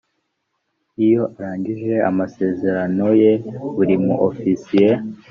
iyo arangije amasezerano ye buri mu ofisiye